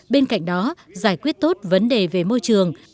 bên cạnh đó giải quyết tốt vấn đề về môi trường